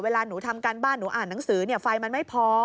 เวลาหนูทำการบ้านหนูอ่านหนังสือไฟมันไม่พอ